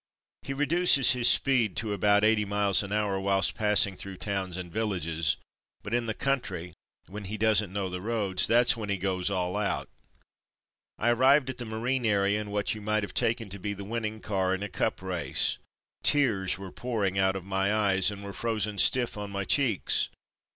He reduces his speed to about eighty miles an hour whilst pass ing through towns and villages, but in the country, when he doesn't know the roads, that's when he goes '' all out. " I arrived at the Marine area in what you might have taken to be the winning car in a Cup Race; 268 From Mud to Mufti tears were pouring out of my eyes, and were frozen stiff on my cheeks.